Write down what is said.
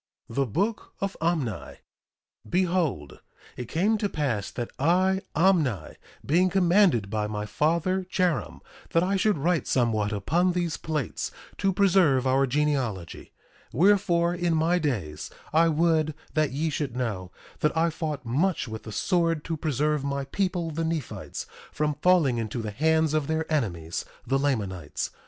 THE BOOK OF OMNI 1:1 Behold, it came to pass that I, Omni, being commanded by my father, Jarom, that I should write somewhat upon these plates, to preserve our genealogy— 1:2 Wherefore, in my days, I would that ye should know that I fought much with the sword to preserve my people, the Nephites, from falling into the hands of their enemies, the Lamanites.